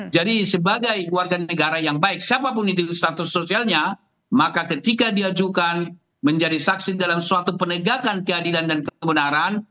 jadi sebagai warga negara yang baik siapapun itu status sosialnya maka ketika diajukan menjadi saksi dalam suatu penegakan keadilan dan kebenaran